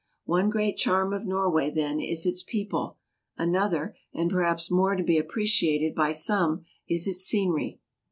One great charm of Norway, then, is its people ; another, and perhaps more to be appre ciated by some, is its scenery.